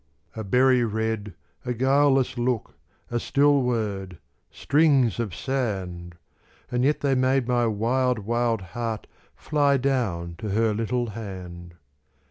A berry red, a guileless look, A still word, strings of sand! And yet they made my wild, wild heart Fly down to her little hand.